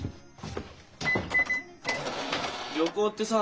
旅行ってさ